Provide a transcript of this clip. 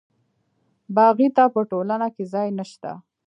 باغي ته په ټولنه کې ځای نشته.